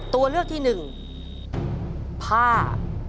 ตัวเลือกที่หนึ่งผ้า